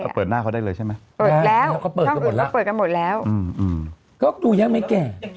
เปิดแล้วช่องอื่นก็เปิดกันหมดแล้ว